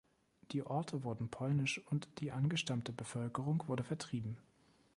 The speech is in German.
Die Orte wurden polnisch, und die angestammte Bevölkerung wurde vertrieben.